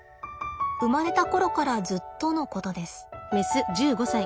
生まれた頃からずっとのことです。